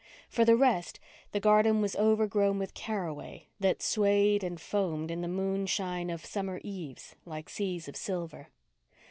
For the rest, the garden was overgrown with caraway that swayed and foamed in the moonshine of summer eves like seas of silver.